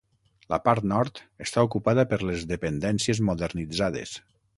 La part nord està ocupada per les dependències modernitzades.